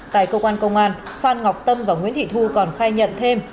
tại công an công an phan ngọc tâm và nguyễn thị thu còn khai nhận thêm